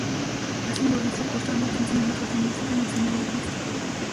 Así lo hizo, cortando quince minutos de música en la escena de la fiesta.